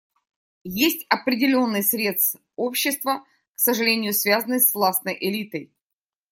Есть определенный срез общества, к сожалению связанный с властной элитой.